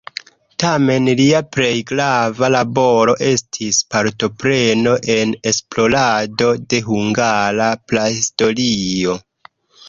Tamen lia plej grava laboro estis partopreno en esplorado de hungara prahistorio.